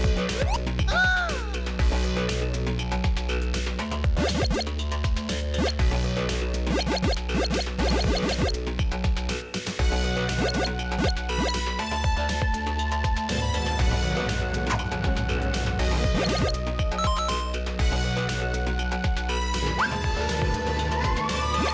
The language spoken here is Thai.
แม่นไปค่ะไปค่ะ